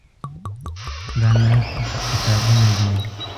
دا نهه کتابونه دي.